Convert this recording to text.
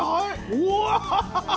うわ！